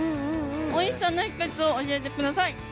おいしさの秘訣を教えてください。